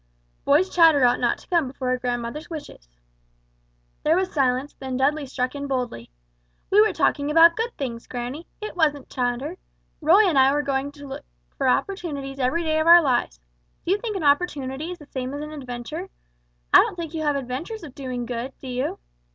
"Boys' chatter ought not to come before a grandmother's wishes." There was silence; then Dudley struck in boldly: "We were talking about good things, granny. It wasn't chatter. Roy and I are going to look out for opportunities every day of our lives. Do you think an opportunity is the same as an adventure? I don't think you have adventures of doing good, do you?"